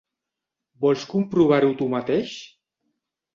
Vols comprovar-ho tu mateix?